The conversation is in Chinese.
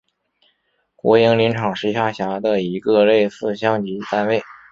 国营林场是下辖的一个类似乡级单位。